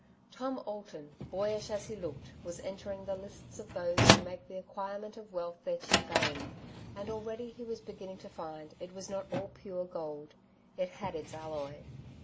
Tom Alton, boyish as he looked, was entering the lists of those who make the acquirement of wealth their chief aim; and already he was beginning to find it was not all pure gold ; it had its alloy.